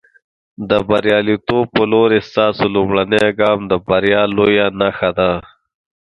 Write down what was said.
د برياليتوب په لورې، ستاسو لومړنی ګام د بریا لویه نښه ده.